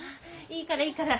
いいからいいから。